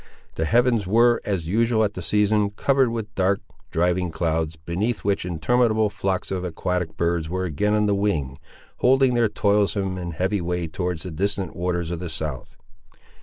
The heavens were, as usual at the season, covered with dark, driving clouds, beneath which interminable flocks of aquatic birds were again on the wing, holding their toilsome and heavy way towards the distant waters of the south.